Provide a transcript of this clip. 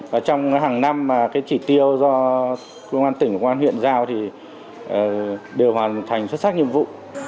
và trong hàng năm cái chỉ tiêu do công an tỉnh công an huyện giao thì đều hoàn thành xuất sắc nhiệm vụ